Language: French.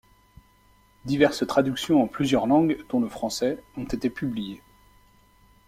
Diverses traductions en plusieurs langues, dont le français, ont été publiées.